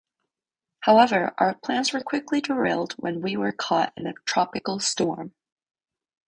However, our plans were quickly derailed when we were caught in a tropical storm.